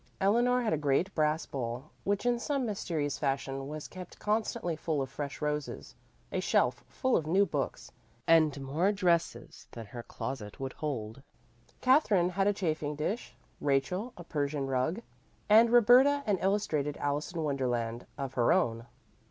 Eleanor had a great brass bowl, which in some mysterious fashion was kept constantly full of fresh roses, a shelf full of new books, and more dresses than her closet would hold. Katherine had a chafing dish, Rachel a Persian rug, and Roberta an illustrated "Alice in Wonderland" of her own.